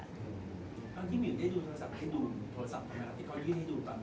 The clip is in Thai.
ตอนที่หมิวได้ดูโทรศัพท์ให้ดูโทรศัพท์เขาไหมครับ